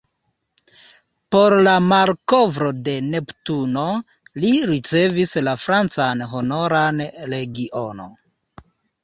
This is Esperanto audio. Por la malkovro de Neptuno li ricevis la francan Honoran Legion.